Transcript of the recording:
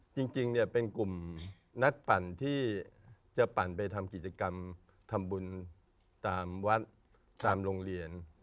จริงเนี่ยเป็นกลุ่มนักปั่นที่จะปั่นไปทำกิจกรรมทำบุญตามวัดตามโรงเรียน